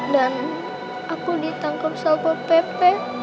dan aku ditangkap saldo pp